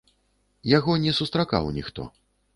Яго не сустракаў ніхто.